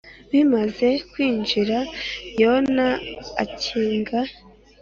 Bimaze kwinjira Yehova akinga